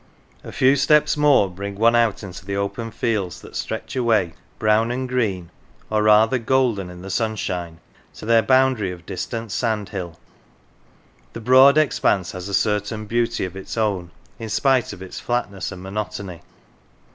A few steps more bring one out in the open fields that stretch away, brown, and green, or rather golden in the sunshine, to their boundary of distant sandhill. The broad expanse has a certain beauty of its own in spite of its flatness and monotony.